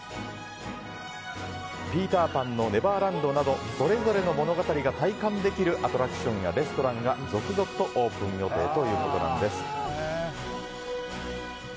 「ピーター・パン」のネバーランドなどそれぞれの物語が体感できるアトラクションやレストランが続々とオープン予定ということです。